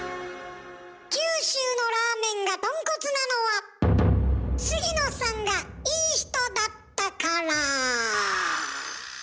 九州のラーメンがとんこつなのは杉野さんがいい人だったから。